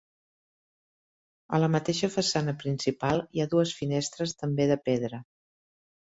A la mateixa façana principal hi ha dues finestres també de pedra.